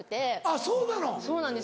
あっそうなの？